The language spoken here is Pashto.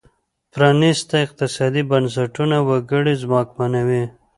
پرانیستي اقتصادي بنسټونه وګړي ځواکمنوي.